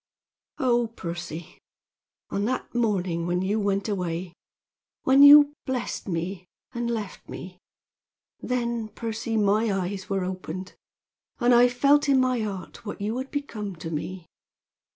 "Oh, Percy! On that morning when you went away when you blessed me and left me then, Percy, my eyes were opened, and I felt in my heart what you had become to me.